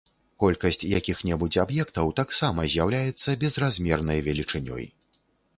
Колькасць якіх-небудзь аб'ектаў таксама з'яўляецца безразмернай велічынёй.